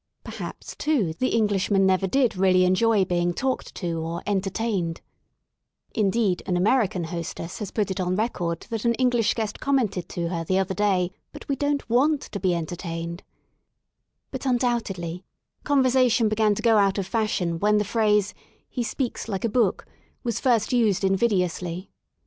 Perhaps, too, the Englishman never did really enjoy being talked to or entertained, THE SOUL OF LONDON (Indeed an American hostess has put it on record that an English guest commented to her the other day, "But, we don't want to be entertained,") But, un doubtedly, conversation began to go out of fashion when the phrase: *'He speaks like a book" was first used invidiously.